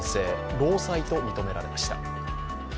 労災と認められました。